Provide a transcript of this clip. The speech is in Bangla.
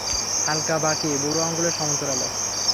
হালকা বাঁকিয়ে, বুড়ো আঙুলের সমান্তরালে।